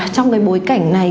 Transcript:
trong bối cảnh này